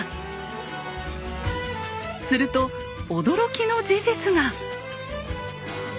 すると驚きの事実が！